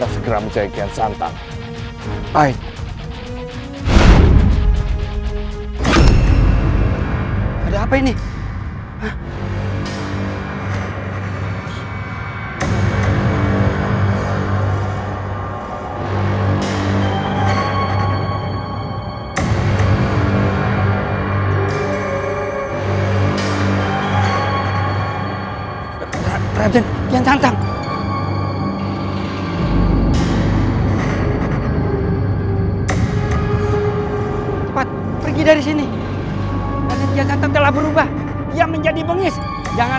sebaiknya kita segera menjagikan santan